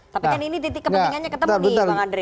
tapi kan ini titik kepentingannya ketemu nih bang andre